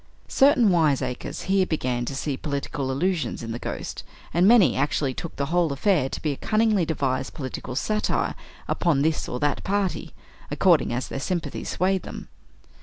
Certain wiseacres here began to see political allusions in the Ghost, and many actually took the whole affair to be a cunningly devised political satire upon this or that party, according as their sympathies swayed them.